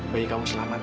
bayi kamu selamat